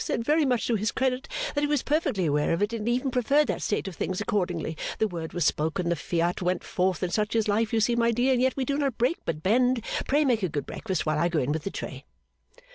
said very much to his credit that he was perfectly aware of it and even preferred that state of things accordingly the word was spoken the fiat went forth and such is life you see my dear and yet we do not break but bend, pray make a good breakfast while I go in with the tray.